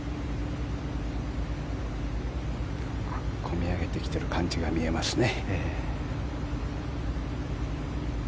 込み上げてきている感じが見えますね。